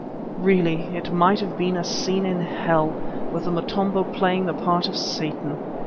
Really it might have been a scene in hell with the Motombo playing the part of Satan.